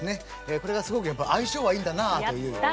これがすごくやっぱ相性はいいんだなというところ。